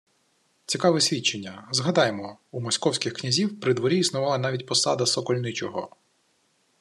Цікаве свідчення! Згадаймо: у московських князів при дворі існувала навіть посада сокольничого